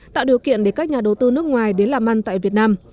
tạo điều kiện để các nhà đầu tư nước ngoài đến làm ăn tại việt nam